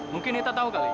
mungkin nita tahu kali